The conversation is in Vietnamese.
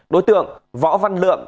đối tượng võ văn lượm